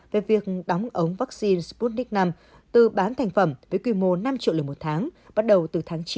về việc đóng ống vắc xin sputnik v từ bán thành phẩm với quy mô năm triệu liều một tháng